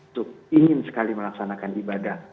untuk ingin sekali melaksanakan ibadah